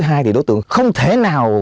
thì đối tượng không thể nào